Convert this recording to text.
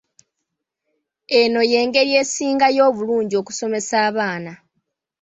Eno y'engeri esingayo obulungi okusomesa abaana.